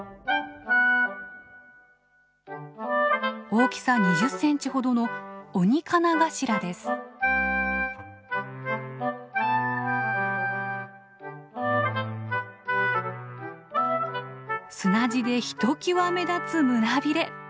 大きさ２０センチほどの砂地でひときわ目立つ胸びれ。